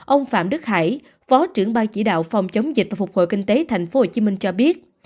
ông phạm đức hải phó trưởng ban chỉ đạo phòng chống dịch và phục hồi kinh tế tp hcm cho biết